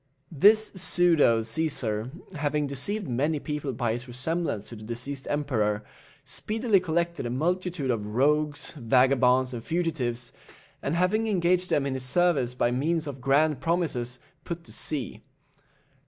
This pseudo Cæsar, having deceived many people by his resemblance to the deceased emperor, speedily collected a multitude of rogues, vagabonds, and fugitives, and having engaged them in his service by means of grand promises, put to sea.